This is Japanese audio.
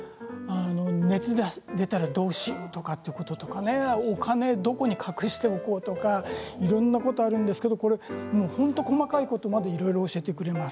熱が出たらどうしようとかお金をどこに隠しておこうとかいろんなことがあるんですけれど本当に細かいことまでいろいろ教えてくれます。